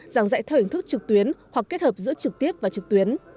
giảng dạy theo hình thức trực tuyến hoặc kết hợp giữa trực tiếp và trực tuyến